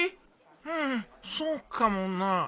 うんそうかもな。